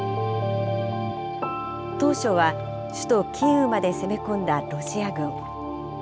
当初は首都キーウまで攻め込んだロシア軍。